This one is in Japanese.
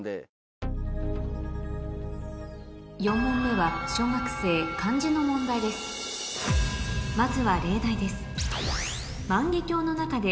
４問目は小学生漢字の問題ですまずは例題です